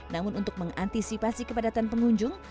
namun untuk mengantisipasi kepadatan pengunjung